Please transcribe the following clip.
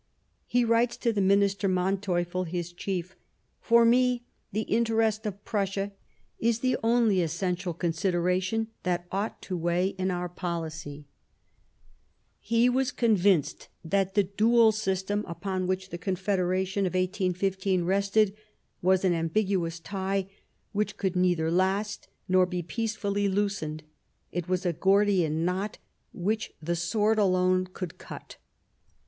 He writes to the Minister Manteuffel, his chief :" For me the interest of Prussia is the only essential consideration that ought to weigh in our polic}^" He was convinced that the dual system upon which the Confederation of 1815 rested was an ambiguous tie which could neither last nor be peacefully loosened ; it was a Gordian Knot which the sword alone could cut.